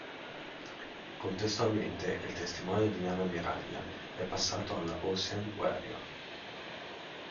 Contestualmente il testimone di nave ammiraglia è passato alla "Ocean Warrior".